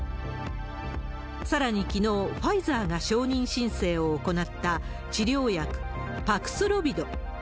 さらにきのう、ファイザーが承認申請を行った治療薬、パクスロビド。